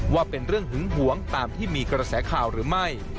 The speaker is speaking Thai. ว่าเป็นเรื่องหึงหวงตามที่มีกระแสข่าวหรือไม่